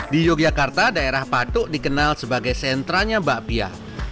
di yogyakarta daerah patok dikenal sebagai sentranya bakpia